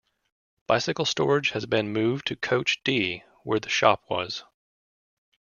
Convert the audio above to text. Bicycle storage has been moved to coach D where the shop was.